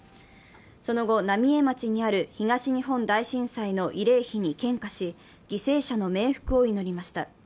その後、浪江町にある東日本大震災の慰霊碑に献花し犠牲者の冥福を祈りました。